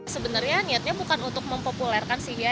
sebenarnya niatnya bukan untuk mempopulerkan sih ya